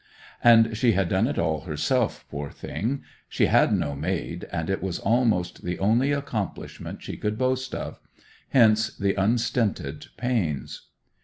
And she had done it all herself, poor thing. She had no maid, and it was almost the only accomplishment she could boast of. Hence the unstinted pains.